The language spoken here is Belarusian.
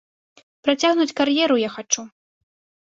Працягнуць кар'еру я хачу.